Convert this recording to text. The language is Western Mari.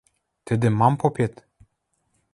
– Тӹдӹм мам попет.